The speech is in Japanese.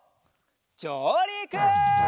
じょうりく！